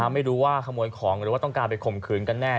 ไม่รู้ว่าขโมยของหรือว่าต้องการไปข่มขืนกันแน่